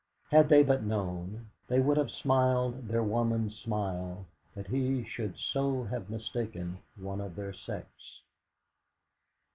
Had they but known, they would have smiled their woman's smile that he should so have mistaken one of their sex.